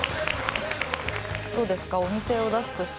どうですか？